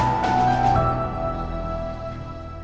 kecelakaan itu terjadi